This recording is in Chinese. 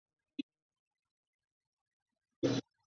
父亲是国画家兼中医。